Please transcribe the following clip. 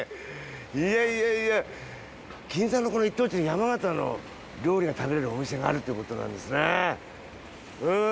いやいや銀座のこの一等地に山形の料理が食べられるお店があるっていうことなんですね。